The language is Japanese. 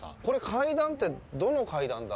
階段って、どの階段だ？